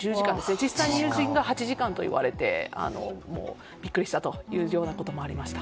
実際、友人は８時間といわれてビックリしたということもありました。